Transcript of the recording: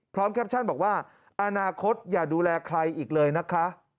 แคปชั่นบอกว่าอนาคตอย่าดูแลใครอีกเลยนะคะ